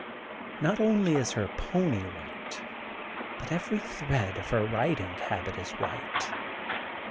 Not only is her pony white but every thread of her riding habit is white.